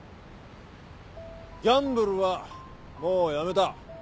ギャンブルはもうやめた。